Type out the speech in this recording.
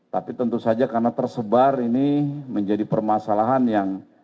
tapi tentu saja karena tersebar ini menjadi permasalahan yang